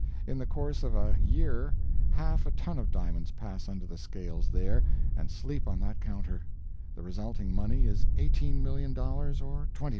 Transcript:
In the course of a year half a ton of diamonds pass under the scales there and sleep on that counter; the resulting money is $18,000,000 or $20,000,000.